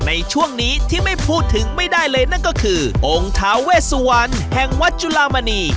ในช่วงนี้ที่ไม่พูดถึงไม่ได้เลยนั่นก็คือองค์ทาเวสวันแห่งวัดจุลามณี